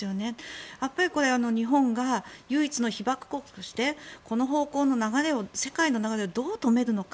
これは日本が唯一の被爆国としてこの方向の世界の流れをどう止めるのか。